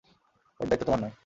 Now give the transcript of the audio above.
ওর দায়িত্ব তোমার নয়।